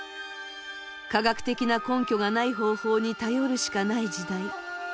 科学的な根拠がない方法に頼るしかない時代。